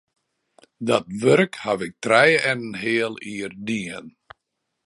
Dat wurk haw ik trije en in heal jier dien.